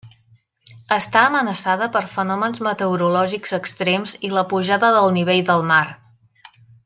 Està amenaçada per fenòmens meteorològics extrems i la pujada del nivell del mar.